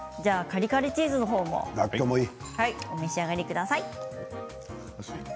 カリカリチーズのほうもお召し上がりください。